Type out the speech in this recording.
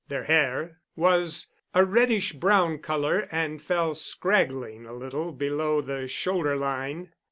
Their hair was a reddish brown color, and fell scraggling a little below the shoulder line.